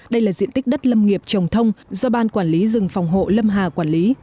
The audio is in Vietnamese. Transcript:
đây là diện tích đất lâm nghiệp trồng thông do ban quản lý rừng phòng hộ lâm hà quản lý